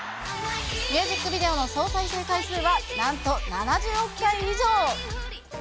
ミュージックビデオの総再生回数はなんと７０億回以上。